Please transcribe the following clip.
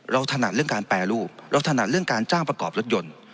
ถนัดเรื่องการแปรรูปเราถนัดเรื่องการจ้างประกอบรถยนต์